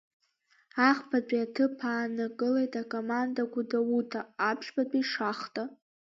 Ахԥатәи аҭыԥ аанакылеит акоманда Гәдоуҭа, аԥшьбатәи-Шахта.